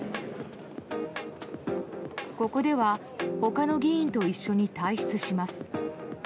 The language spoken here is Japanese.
ここでは他の議員と一緒に退出します。